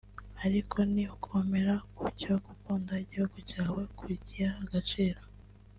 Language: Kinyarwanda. Ariko ni ukomera ku cyo gukunda igihugu cyawe no kugiha agaciro